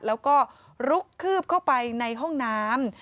แล้วก็ลุกคืบเข้าไปในห้องน้ำ